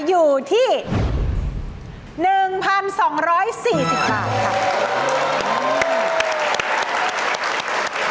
อยู่ที่๑๒๔๐บาทค่ะ